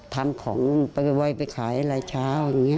ทำของไปไวไปขายอะไรเช้าอย่างนี้